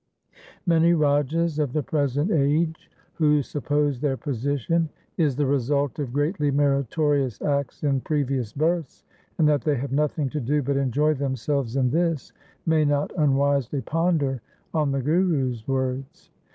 1 Many Rajas of the present age who suppose their position is the result of greatly meritorious acts in previous births, and that they have nothing to do but enjoy themselves in this, may not unwisely ponder on the Guru's words.